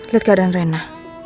lihat keadaan rena